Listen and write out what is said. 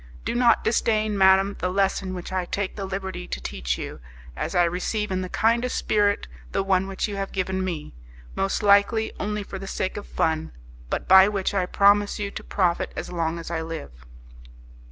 Do not disdain, madam, the lesson which I take the liberty to teach you, as I receive in the kindest spirit the one which you have given me, most likely only for the sake of fun, but by which I promise you to profit as long as I live."